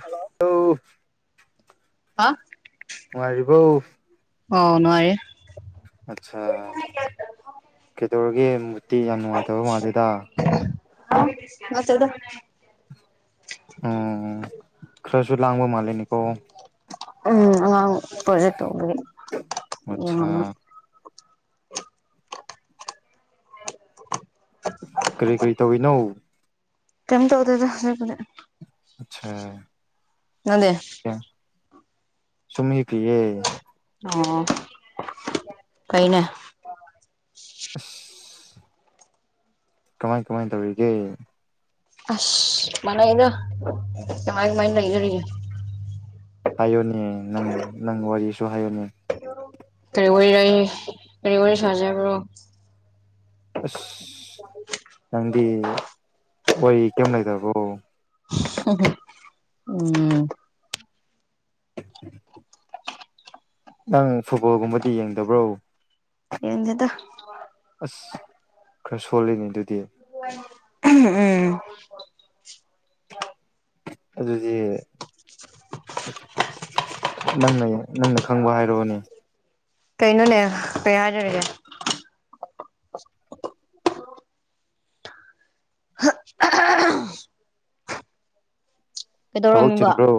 hello ꯍꯥ ꯃꯔꯤꯕꯧ ꯑ ꯅꯨꯡꯑꯌꯦ ꯑꯠꯆꯥꯥ ꯀꯦꯗꯣꯔꯒꯤ ꯃꯨꯨꯔꯇꯤ ꯌꯥꯝ ꯅꯨꯡꯉꯥꯏꯇꯕ ꯃꯥꯜꯂꯦꯗ ꯑ ꯅꯥꯠꯇꯦꯗꯥ ꯎꯝ ꯈꯔꯁꯨ ꯂꯥꯡꯕ ꯃꯂꯦꯅꯦꯀꯣ ꯎꯝ [unintelligible] ꯑꯠꯆꯥ ꯌꯦꯡꯉꯝꯕ [unintelligible] ꯀꯔꯤ ꯀꯔꯤ ꯇꯧꯏ ꯅꯣ ꯀꯝ ꯇꯧꯗꯗ ꯍꯧꯖꯤꯦ ꯀꯅꯦ ꯑꯆꯥ [unintelligible] ꯁꯨꯃꯤ ꯀꯤ ꯌꯦ ꯑꯣ ꯀꯩꯅꯦ [inaudible] ꯀꯃꯥꯏ ꯀꯃꯥꯏ ꯇꯧꯔꯤꯒꯦ ꯑꯁ ꯃꯅ ꯏꯗ ꯀꯃꯥꯏ ꯃꯥꯏꯅ ꯂꯩꯗ ꯍꯥꯏꯌꯨꯅꯦ ꯅꯪ ꯅꯪ ꯋꯥꯔꯤꯁꯨ ꯍꯥꯏꯌꯨꯅꯦ ꯀꯔꯤ ꯑꯣꯏ ꯂꯩ ꯀꯔꯤ ꯋꯥꯔꯤ ꯁꯥꯖꯕ꯭ꯔꯣ ꯑꯁ ꯅꯪꯗꯤ ꯑꯣꯏ ꯀꯩꯝ ꯂꯩꯇꯕꯣ ꯎꯝ ꯅꯪ ꯐꯨꯠꯕꯣꯜꯒꯨꯝꯕꯗꯤ ꯌꯦꯡꯗꯕ꯭ꯔꯣ ꯌꯦꯖꯗ ꯑꯁ ꯈꯔ ꯁꯣꯜꯂꯤꯅꯦ ꯑꯗꯨꯗꯤ ꯎꯝ ꯑꯗꯨꯗꯤ ꯅꯪꯅ ꯅꯪꯅ ꯈꯪꯕ ꯍꯥꯏꯔꯛꯑꯣꯅꯦ ꯀꯩꯅꯣꯅꯦ ꯀꯩ ꯍꯥꯏꯗꯔꯒꯦ ꯇꯕꯛ ꯀꯩꯗꯧꯔꯝꯃꯤꯕ ꯆꯤꯟ꯭ꯕꯔꯣ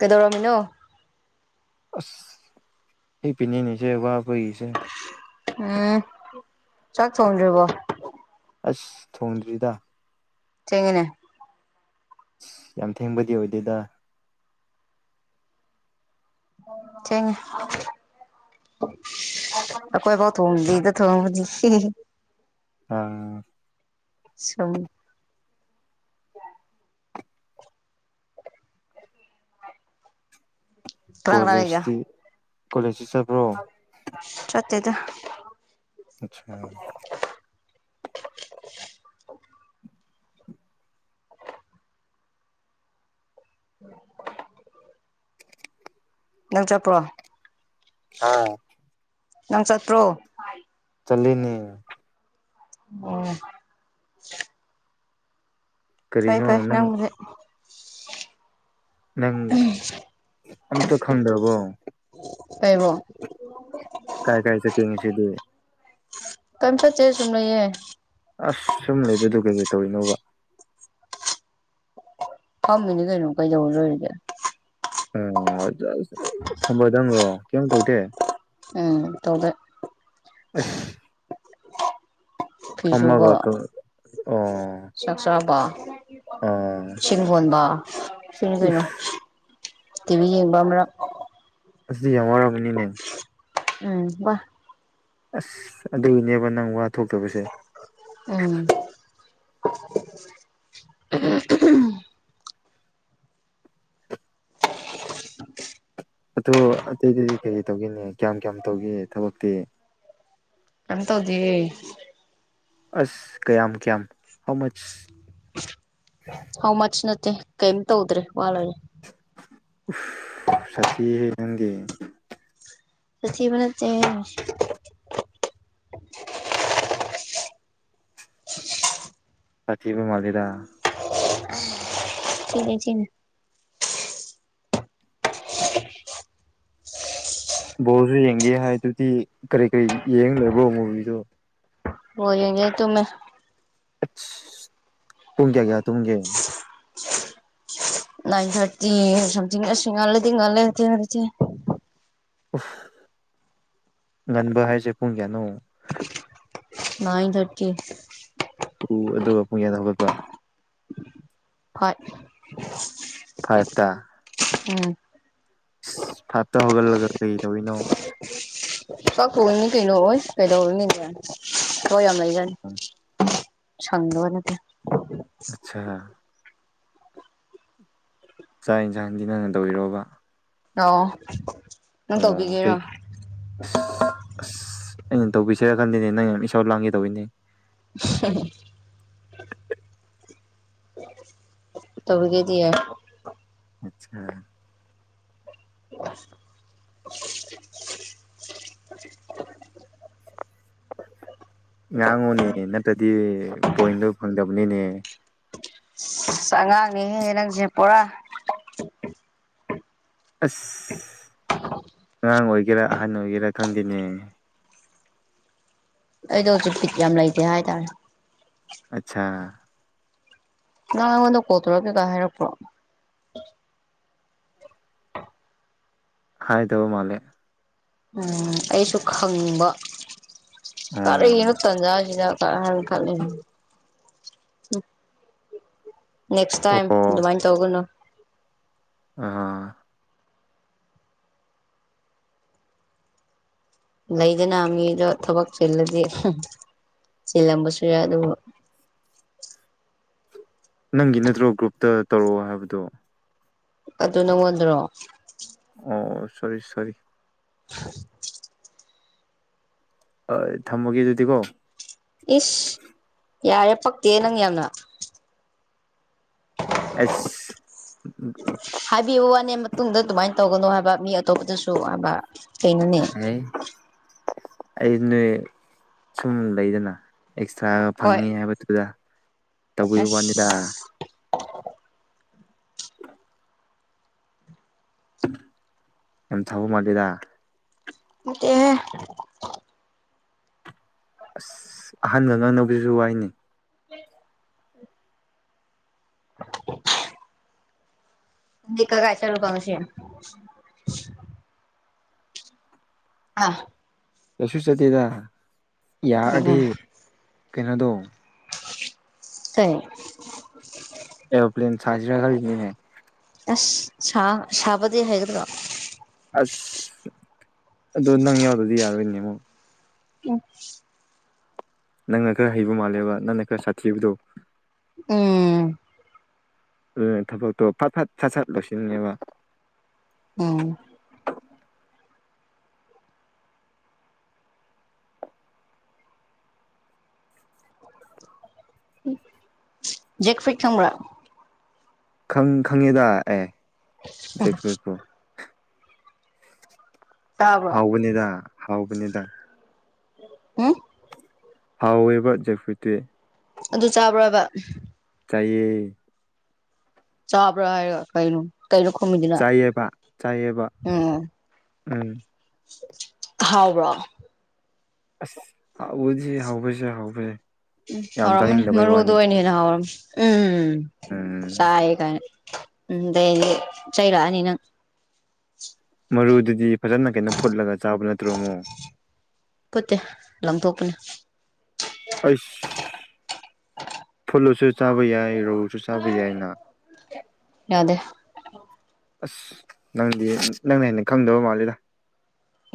ꯀꯩꯗꯧꯔꯝꯃꯤꯅꯣ ꯍ ꯄꯤꯅꯤꯅꯤꯁꯦ ꯋꯥ ꯑꯣꯏꯁꯦ ꯎꯝ ꯆꯥꯛ ꯊꯔꯤꯕꯣ ꯑꯁ ꯊꯣꯡꯗ꯭ꯔꯤꯗ ꯆꯦꯉꯅꯦ ꯑ ꯌꯥꯝ ꯊꯦꯡꯕꯗꯤ ꯑꯣꯏꯗꯦꯗ ꯆꯦꯡ ꯈꯣꯏꯕꯨꯥꯎ ꯊꯣꯡꯃꯗꯗ ꯊꯣꯡꯃ ꯑꯥ ꯁꯝ ꯀꯅꯥ ꯀꯅꯥ ꯂꯩꯒꯦ ꯀꯣꯂꯦꯖꯇꯤ ꯀꯣꯂꯦꯖꯇꯤ ꯆꯠꯄ꯭ꯔꯣ ꯆꯠꯇꯦ ꯑꯗꯨ ꯑꯆꯥꯥ ꯎ ꯅꯪ ꯆꯠꯄ꯭ꯔꯣ ꯑꯥ ꯅꯪ ꯆꯠꯇ꯭ꯔꯣ ꯆꯂꯅꯦ ꯑꯣꯝ ꯐꯩ ꯀꯔꯤꯅꯣ ꯐꯩ ꯅꯪ ꯅꯪꯁꯦ ꯅꯪ ꯎꯝ ꯑꯝꯇ ꯈꯪꯗ꯭ꯔꯕꯣ ꯂꯩꯕꯝ ꯀꯥꯏ ꯀꯔ ꯆ ꯀꯃꯤꯁꯤꯗꯤ ꯀꯝꯄꯥ ꯆꯦ ꯆꯡꯂꯌꯦꯦ ꯑꯁ ꯁꯨꯝ ꯂꯩꯕꯗ ꯀꯩꯀꯩ ꯇꯧꯔꯤꯅꯣꯕ ꯐꯝꯃꯃꯤꯅꯤ ꯀꯩꯅꯩꯅ ꯀꯩꯗꯣꯏꯔꯗꯦ ꯑꯣ ꯐꯝꯕꯗꯪ꯭ꯔꯣ ꯀꯩꯝ ꯇꯧꯗꯦ ꯎꯝ ꯇꯗ ꯑꯁ ꯐꯤꯁꯨꯨꯕ ꯐꯝꯃꯒ ꯑꯣ ꯆꯥꯛ ꯆꯥꯕ ꯑ ꯁꯤꯣꯣꯟꯕ ꯁꯤꯅꯤ ꯀꯩꯅꯣ ꯎꯐ ꯇꯤꯚꯤ ꯌꯦꯡꯕ ꯑꯃ ꯑꯁ ꯍꯔꯥ ꯃꯅꯤꯅꯦ ꯎꯝ ꯋꯥ ꯑꯁ ꯑꯗꯨꯒꯤꯅꯦꯕ ꯅꯪ ꯋꯥ ꯊꯣꯛꯇꯕꯁꯦ ꯎꯝ [unintelligible] ꯑꯣ ꯑꯇꯩꯗꯗꯤ ꯀꯩ ꯇꯧꯈꯤꯦꯅꯤ ꯀꯌꯥꯝ ꯀꯌꯥꯝ ꯇꯧꯒꯦ ꯊꯕꯛꯇꯤ ꯀꯟꯇꯧꯗꯤꯦ ꯑꯁ ꯀꯌꯥꯝ ꯀ꯭ꯌꯥꯝ ꯍꯥꯎ ꯃꯆ ꯍꯥꯎ ꯃꯆ ꯅꯠꯇꯦ ꯀꯩꯝ ꯇꯧꯗ꯭ꯔꯔꯤ ꯋꯥꯜꯒ ꯁꯥꯇꯤ ꯍ ꯅꯪꯒꯦ ꯆꯁꯤꯕꯅ ꯆꯦ ꯆ ꯆꯤꯕ ꯃꯥꯂꯗ ꯊꯆꯅꯦ ꯕꯣꯁꯨ ꯌꯦꯡꯒꯦ ꯍꯥꯏꯗꯨꯗꯤ ꯀꯔꯤ ꯀꯔꯤ ꯌꯦꯡ ꯂꯩꯕꯣ ꯃꯨꯚꯗꯨꯣ ꯍ ꯌꯦꯡꯒꯦ ꯇꯨꯃ ꯇꯨꯡ ꯀꯌꯥ ꯀꯌꯥ ꯇꯨꯡꯒꯦ ꯟ ꯊꯥꯔꯇꯤꯊ ꯁꯂꯗꯤ ꯉꯦꯔꯤ ꯎꯐ ꯉꯟꯕ ꯍꯥꯏꯁꯦ ꯄꯨꯡ ꯀꯌꯥꯅꯣ ꯅꯥꯏꯟ ꯊꯥꯔꯇꯤ ꯎ ꯑꯗꯨꯒ ꯄꯨꯡꯌꯥꯗ ꯍꯧꯒꯠꯄ ꯍꯣꯏ ꯐꯥꯏꯗ ꯎꯝ ꯐꯥꯞꯇ ꯍꯧꯒꯠꯂꯒ ꯀꯩ ꯇꯧꯤꯅꯣ ꯀꯥꯛꯄꯕꯅꯤ ꯀꯩꯅꯣ ꯑꯣꯏ ꯀꯩꯗꯧꯅꯤꯅꯦ ꯍꯣꯏ ꯌꯥꯝ ꯂꯩꯒꯅꯤ ꯁꯪꯗꯕꯅꯦꯗꯤ ꯑꯆꯥ ꯆꯥꯛ ꯌꯦꯟꯁꯥꯡꯁꯤ ꯅꯪꯅ ꯇꯧꯕꯤꯔꯣꯕ ꯑ ꯅꯪ ꯑꯣ ꯀꯩ ꯇꯧꯕꯤꯒꯦꯔꯣ ꯑꯁ ꯑꯁ ꯑꯩꯅ ꯇꯧꯕꯤꯁꯤꯔꯀꯥꯟꯗꯤꯅꯦ ꯅꯪꯩꯅ ꯏꯁꯥꯎ ꯂꯥꯡꯈꯤ ꯇꯧꯅꯦ ꯍ ꯇꯕꯨ ꯀꯗꯤ ꯑꯆꯥ ꯉꯥꯡꯉꯨꯅꯦ ꯅꯠꯇ꯭ꯔꯗꯤ ꯄꯣꯏꯟꯗꯣ ꯐꯪꯗꯕꯅꯤꯅꯦ ꯑꯁ ꯑꯉꯥꯡꯅꯤꯍꯦ ꯅꯪꯁꯦ ꯄꯨꯔꯥ ꯑꯁ ꯑꯉꯥꯡ ꯑꯣꯏꯒꯦꯔꯥ ꯑꯍꯟ ꯑꯣꯏꯒꯦꯔꯥ ꯈꯪꯗꯦꯅꯦ ꯑꯩꯗꯣ ꯍꯧꯖꯤꯛ ꯐꯤꯛ ꯌꯥꯝ ꯂꯩꯇꯦ ꯍꯥꯏꯇꯥꯔꯦ ꯑꯆꯥ ꯅ ꯑꯩꯉꯣꯟꯗ ꯀꯣꯠꯇꯣꯔꯛ ꯀꯩꯀꯥ ꯍꯥꯏꯔꯛꯄ꯭ꯔꯣ ꯍꯥꯏ ꯇꯧꯕ ꯃꯥꯂꯦ ꯎꯝ ꯑꯩꯁꯨ ꯈꯪꯕ ꯑꯣ ꯀꯔꯛꯅ ꯇꯟꯖꯥꯁꯤꯗ ꯀ ꯈ ꯅꯦꯛꯁ ꯇꯥꯏꯝ ꯑꯗꯨꯃꯥꯏꯅ ꯇꯧꯒꯅꯨ ꯑ ꯂꯩꯗꯅ ꯃꯤꯗꯣ ꯊꯕꯛ ꯆꯤꯜꯂꯗꯤ ꯆꯤꯜꯂꯝꯕꯁꯨ ꯌꯥꯏ ꯑꯗꯨ [unintelligible] ꯅꯪꯒꯤ ꯅꯠꯇ꯭ꯔꯣ ꯒ꯭ꯔꯨꯞꯇ ꯇꯧꯔꯛꯑꯣ ꯍꯥꯏꯕꯗꯣ ꯑꯗꯨ ꯅꯪꯉꯣꯟꯗ꯭ꯔꯣ ꯑꯣ ꯁꯣꯔꯤ ꯁꯣꯔꯤ [unintelligible] ꯊꯝꯃꯒꯦ ꯑꯗꯨꯗꯤꯀꯣ ꯏꯁ ꯌꯥꯑ ꯄ ꯇꯅꯉ ꯑꯁ ꯍꯥꯏꯕꯤꯌꯨ ꯋꯥꯅꯦ ꯃꯇꯨꯡꯗ ꯑꯗꯨꯃꯥꯏꯅ ꯇꯧꯒꯅꯨ ꯍꯥꯏꯕ ꯃꯤ ꯑꯇꯣꯞꯄꯗꯁꯨ ꯍꯥꯏꯕ ꯀꯩꯅꯣꯅꯦ ꯑꯩ ꯑꯩ ꯅꯣꯏ ꯁꯨꯝ ꯂꯩꯗꯅ ꯑꯦꯛꯁꯇ꯭ꯔꯥꯒ ꯍꯣꯏ ꯐꯪꯉꯤ ꯍꯥꯏꯕꯗꯨꯗ ꯇꯧꯕꯤꯕ ꯋꯥꯅꯤꯗ ꯑꯁ [unintelligible] ꯑ ꯊꯕ ꯃꯥꯜꯂꯤꯦꯗ ꯠꯇ ꯑꯁ ꯑꯍꯟꯒ ꯉꯥꯡꯅꯕꯁꯤꯁꯨ ꯋꯥꯏꯅꯤ ꯎ [unintelligible] ꯀ ꯀꯥꯏ ꯆ ꯂꯨꯀꯁꯤ ꯑꯥ ꯀꯩꯁꯨ ꯆꯠꯇꯦꯗ ꯌꯥꯔꯗꯤ ꯎꯝ ꯀꯩꯅꯣꯗꯣ ꯁꯔꯤ ꯑꯦꯔꯣꯄ꯭ꯂꯟ ꯁꯥꯖꯔ ꯈꯔ ꯑꯁ ꯁꯥꯕꯗꯤ ꯍꯥꯏꯒꯗ꯭ꯔꯥ ꯑꯁ ꯑꯗꯨꯣ ꯅꯪ ꯌꯥꯎꯗꯗꯤ ꯌꯥꯔꯣꯏꯅꯦꯃꯣ ꯎꯝ ꯅꯪꯅ ꯈꯔ ꯍꯩꯕ ꯃꯥꯜꯂꯦꯕ ꯅꯪꯅ ꯈꯔ ꯁꯥꯊꯤꯕꯗꯣ ꯎꯝ ꯎ ꯊꯕꯛꯛꯇꯣ ꯐ ꯐꯠ ꯐꯊꯠ ꯂꯣꯁꯤꯅꯦꯕ ꯎꯝ ꯦꯛꯦꯛ ꯐꯤ ꯊ꯭ꯔꯥ ꯪ ꯈꯪꯉꯦꯗ ꯑꯦꯦꯛ ꯐꯄꯨ ꯇꯥꯕ ꯍꯥꯎꯕꯅꯤꯗ ꯍꯥꯎꯕꯅꯤꯗ ꯎꯝ ꯍꯥꯎꯋꯦꯕ ꯖꯦꯛꯐꯇꯤ ꯑꯗꯨ ꯆꯥꯕ꯭ꯔꯣꯕ ꯇꯌꯦ ꯆꯥꯄꯔ ꯀꯥꯏꯅ ꯀꯩꯔꯀꯝ ꯏꯗꯨꯅ ꯆꯥꯏꯌꯦꯕ ꯆꯥꯏꯌꯦꯕ ꯎꯝ ꯎꯝ ꯊꯥꯎ꯭ꯔ ꯑ ꯍꯥꯎꯖꯤ ꯍꯥꯎ ꯐꯁꯦ ꯍꯥꯎ ꯐꯁꯦ ꯎꯝ ꯍꯧꯥꯎꯔꯝꯃꯅꯤ ꯃꯔꯨꯗ ꯑꯣꯏꯅꯅꯤ ꯍꯦꯅ ꯍꯧꯥꯎꯔꯝ ꯎꯝꯝ ꯎꯝ ꯆꯥꯏ ꯀꯥꯏꯅ ꯎꯝꯗ ꯆꯩꯔꯅꯤꯅ ꯃꯔꯨꯗꯨꯗꯤ ꯐꯖꯅ ꯀꯩꯅꯣ ꯐꯨꯠꯂꯒ ꯆꯥꯕ ꯅꯠꯇ꯭ꯔꯣ ꯑꯃꯣ ꯐꯨꯠꯇꯦ ꯂꯪꯊꯣꯛꯄꯅꯦ ꯑꯁ ꯐꯨꯂꯨꯁꯨ ꯆꯥꯕ ꯌꯥꯏ ꯔꯧꯁꯨ ꯆꯥꯕ ꯌꯥꯏꯅꯍ ꯗꯦ ꯑꯁ ꯅꯪꯗꯤ ꯅꯪꯅ ꯍꯦꯟꯅ ꯈꯪꯗꯕ ꯃꯥꯂꯦꯗ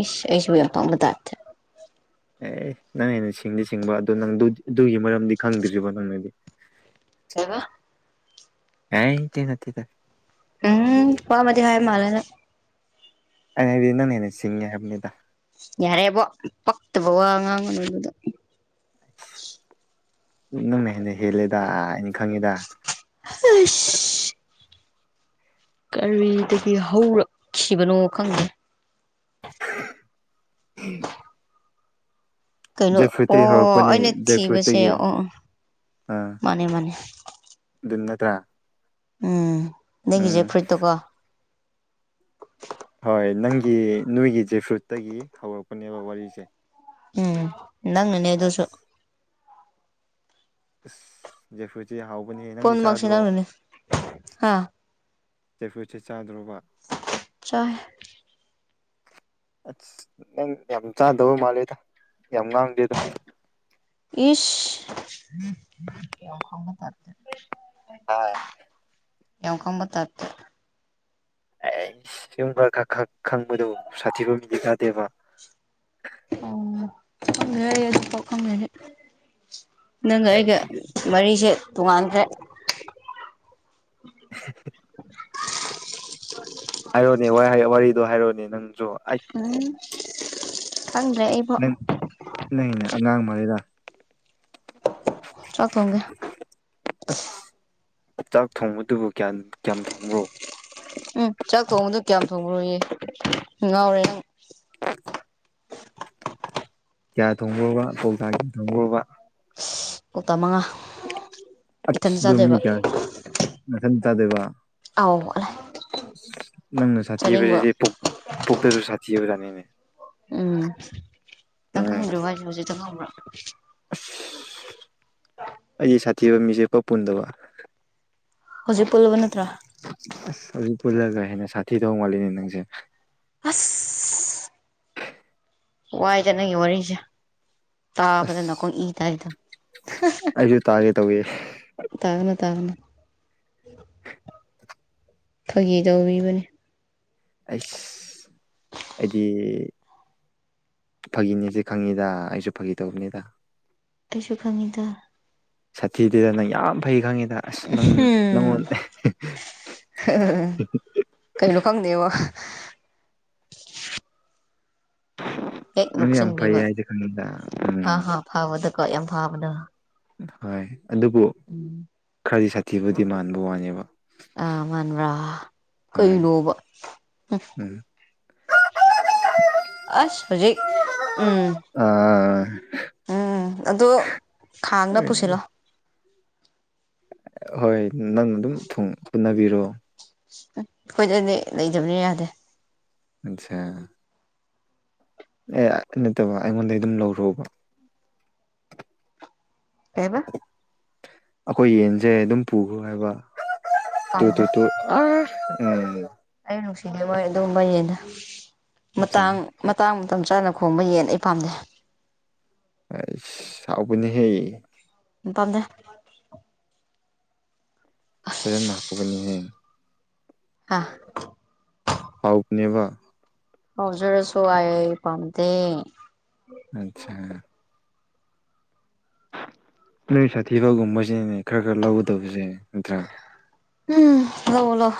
ꯏ ꯏꯁꯨꯕꯨ ꯗꯥꯆꯦ ꯑꯦ ꯅꯪ ꯍꯦꯟꯅ ꯁꯤꯡꯗꯤ ꯁꯤꯡꯕ ꯑꯗꯨ ꯅꯪ ꯑꯗꯨꯒꯤ ꯃꯔꯝꯗꯤ ꯈꯪꯗ꯭ꯔꯤꯕꯣ ꯅꯪꯅꯗꯤ ꯀꯕ ꯑꯦ ꯏꯗꯤ ꯅ ꯇꯔ ꯎꯝ ꯋꯥꯄꯥ ꯃ ꯍꯥꯏ ꯃꯥꯂꯅ ꯑꯅ ꯅꯅꯦꯁꯤꯡꯉꯦ ꯍꯥꯏꯅꯤꯗ ꯌꯥꯔꯦꯕꯣ ꯄꯛꯇꯕ ꯋꯥ ꯑꯉꯥꯡ ꯑꯅꯕꯗꯣ ꯅꯪꯅ ꯍꯦꯟꯅ ꯍꯦꯜꯂꯦꯗ ꯍꯥꯏꯅ ꯈꯪꯉꯤꯗ ꯑ ꯀꯔꯤꯗꯒꯤ ꯍꯧꯔꯛꯈꯤꯕꯅꯣ ꯈꯪꯗꯦ ꯎꯝ ꯀꯩꯅꯩꯅ ꯑꯣ ꯍꯧꯔꯛꯄꯅꯦ ꯑꯩꯅ ꯖꯦꯛ ꯊꯤꯕꯁ ꯐ꯭ꯔꯨꯏꯠꯇꯒꯤ ꯑꯣ ꯃꯥꯅꯦ ꯃꯅꯦ ꯀꯨꯠꯇ ꯎꯝ ꯅꯪꯒꯤꯁꯦ ꯐꯨꯔꯤꯏꯠꯇꯣꯀꯣ ꯍꯣꯏ ꯅꯪꯒꯤ ꯅꯣꯏꯒꯤ ꯖꯦ ꯐ꯭ꯔꯨꯠꯇꯒꯤ ꯍꯧꯔꯛꯄꯅꯦꯕ ꯋꯥꯔꯤꯁꯦ ꯎꯝ ꯏꯪꯅꯤ ꯅꯩꯅꯗꯣꯁꯨ ꯏꯁꯁ ꯖꯦꯐꯨꯁꯦ ꯍꯥꯎꯕꯅꯤꯍ ꯅꯪꯒꯤ ꯄꯨꯝꯅꯃꯛꯁꯦ ꯆꯥꯗ꯭ꯔꯣ ꯅꯪꯅꯅꯦ ꯍꯥ ꯆꯐꯁ ꯆꯥꯗ꯭ꯔꯣꯕ ꯆ [unintelligible] ꯅꯪ ꯌꯥꯝ ꯆꯥꯗꯕ ꯃꯥꯂꯦꯗ ꯌꯥꯝ ꯉꯥꯡꯗꯦꯗ ꯏꯁ ꯈ ꯇ ꯍ ꯌꯦꯀꯝꯕ ꯇꯠꯇ ꯑꯩ ꯁꯨꯝ ꯈꯔ ꯈ ꯈ ꯈꯪꯕꯗꯣ ꯁꯥꯊꯤꯕ ꯃꯤꯗꯤ ꯌꯥꯥꯗꯦꯕ [unintelligible] ꯪ ꯑꯩ ꯑꯗꯨ ꯄꯪꯁꯦ ꯅꯪꯒ ꯑꯩꯒ ꯑꯩꯁ ꯃꯔꯤꯁꯦ ꯇꯨꯡꯥꯟꯗ꯭ꯔꯦ [unintelligible] [unintelligible] ꯍꯥꯏꯔꯣꯅꯦ ꯋꯥꯔꯤꯗꯣ ꯍꯥꯏꯔꯣꯅꯦ ꯅꯪꯁꯨ ꯑꯩ ꯎꯝ ꯈꯪꯗ꯭ꯔꯦ ꯑꯩꯕꯨ ꯅ ꯅ ꯑꯉꯥꯡꯥꯡ ꯃꯔꯤꯗ ꯆ ꯊꯣꯡꯒꯦ ꯑꯁ ꯆꯥꯛ ꯊꯣꯡꯕꯗꯨꯕꯨ ꯀꯌꯥꯝ ꯀꯌꯥꯝ ꯊꯣꯡꯕ꯭ꯔꯣ ꯎꯝ ꯆꯥꯛ ꯊꯣꯡꯕꯗꯣ ꯀꯌꯥꯝ ꯊꯣꯡꯕ꯭ꯔꯨꯌꯦꯦ ꯉꯥꯎꯔꯦ ꯅꯪ ꯀꯌꯥ ꯊꯣꯡꯉꯨꯔꯕ ꯀꯧꯇꯥꯛ ꯀꯌꯥ ꯊꯣꯡꯉꯨꯔꯕ ꯀꯧꯇꯥ ꯃꯉꯥ ꯑ ꯏꯊꯟꯇ ꯆꯥꯗꯣꯏꯕ ꯗꯃꯤꯅꯤ ꯀꯌꯥ ꯃ ꯇꯗꯕ ꯑ ꯅꯪꯅ ꯁꯥꯊꯤꯗꯤ ꯄꯨꯛꯇꯁꯨ ꯁꯥꯊꯤꯕꯖꯥꯅꯤꯅꯦ ꯎꯝ ꯅꯪ ꯈꯪꯗꯣ ꯍꯥꯏꯁꯨ ꯍꯧꯖꯤꯛꯇꯪ ꯈꯪꯕ꯭ꯔꯣ ꯑꯩꯁ ꯁꯥꯊꯤꯕ ꯃꯤꯁꯦꯄꯥ ꯄꯨꯟꯗꯕ ꯍꯧꯖꯤꯛ ꯄꯨꯜꯂꯕ ꯅꯠꯇ꯭ꯔꯥ ꯍꯧꯖꯤꯛ ꯄꯨꯜꯂꯒ ꯍꯦꯟꯅ ꯁꯥꯊꯤ ꯊꯣꯡ ꯃꯥꯠꯂꯤꯅꯦ ꯅꯪꯁꯦ ꯑꯁ ꯋꯥꯏ ꯆꯠꯅꯪꯒꯤ ꯋꯥꯔꯤꯁꯦ ꯇꯥꯕꯗ ꯑꯁ ꯅꯀꯣ ꯏ ꯇ ꯏꯗ ꯑꯩꯁꯨ ꯇꯥꯒꯦ ꯇꯧꯋꯦ ꯇꯥꯒꯅ ꯇꯥꯒꯅ ꯐꯥꯒꯤ ꯇꯧꯕꯔꯤꯕꯅꯤ ꯑꯩ ꯑꯩꯗꯤ ꯐꯥꯒꯤꯅꯤꯁ ꯈꯪꯉꯤꯗ ꯑꯩꯁꯨ ꯐꯥꯒꯤ ꯇꯧꯕꯅꯤꯗ ꯇꯁꯨ ꯀꯃꯤꯗ ꯤꯗꯗꯅ ꯌꯥꯝ ꯐꯩ ꯈꯪꯉꯤꯗ ꯑꯁ ꯅꯪ ꯍꯝ ꯅꯪꯉꯣꯟꯗ ꯀꯩꯩꯅꯣ ꯈꯪꯗꯦꯕꯣ ꯍꯦꯛ ꯅꯪ ꯌꯥꯝ ꯐꯩ ꯅꯣꯛꯁꯤꯟꯕꯤꯕ ꯍꯥꯏꯁꯦ ꯈꯪꯉꯤꯗ ꯎꯝ ꯍꯥ ꯍꯥꯥ ꯐꯥꯕꯗꯀꯣ ꯌꯥꯝ ꯐꯥꯕꯗ ꯍꯣꯏ ꯑꯗꯨꯕꯨ ꯈꯔꯗꯤ ꯁꯥꯊꯤꯕꯨꯗꯤ ꯃꯥꯟꯕ ꯋꯥꯅꯦꯕ ꯑ ꯃꯟꯕ꯭ꯔꯥ ꯀꯩ ꯍꯣꯏ ꯂꯣꯕ ꯎꯝ ꯑꯁ ꯍꯧꯖꯤꯩ ꯎꯝ ꯑ ꯎꯝ ꯑꯗꯣ ꯈꯥꯡꯗ ꯄꯨꯁꯤꯜꯂꯣ ꯍꯣꯏ ꯅꯪ ꯑꯗꯨꯝ ꯍꯣꯅꯕꯤꯔꯣꯑꯣ ꯎ ꯑꯩꯈꯣꯏꯗꯗꯤ ꯂꯩꯇꯕꯅꯤ ꯌꯥꯗꯦ ꯑꯆꯥ ꯑꯦ ꯅꯠꯇꯕ ꯑꯩꯉꯣꯟꯗꯒꯤ ꯑꯗꯨꯝ ꯂꯧꯔꯣꯕ ꯀꯕ ꯑꯩꯈꯣꯏ ꯌꯦꯟꯁꯦ ꯑꯗꯨꯝ ꯄꯨꯈ꯭ꯔꯣ ꯍꯥꯏꯕ ꯇꯨ ꯇꯨ ꯄꯥꯝꯗ꯭ꯔꯦ ꯇꯨ ꯎꯝ ꯅꯨꯡꯁꯤꯅꯦ ꯃꯣꯏ ꯑꯗꯨꯝꯕꯩꯌꯦꯅ ꯑꯠꯆꯥ ꯃꯇꯥꯡ ꯃꯇꯥꯡ ꯃꯇꯝ ꯆꯥꯅ ꯈꯣꯡꯕ ꯌꯦꯟ ꯑꯩ ꯄꯥꯝꯖꯩ ꯑꯕꯅꯤ ꯍꯌꯦ ꯇꯗꯦ ꯐꯖꯦꯟ ꯍꯥꯄꯒꯅꯤꯍ ꯑ ꯐꯥꯎꯛꯅꯦꯕ ꯍꯧꯁꯔꯁꯨꯣ ꯑ ꯄꯥꯟꯗ ꯑꯆꯥ ꯅꯣꯏ ꯁꯥꯊꯤꯕꯒꯨꯝꯕꯁꯤꯅꯅꯦ ꯈꯔ ꯈꯔ ꯂꯧꯒꯗꯕꯁꯦ ꯅꯠꯇ꯭ꯔꯥ ꯎꯝ ꯂꯣꯂꯣ